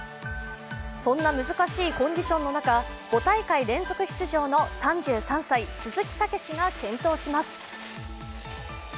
そんな難しいコンディションの中、５大会連続出場の３３歳、鈴木猛史が健闘します。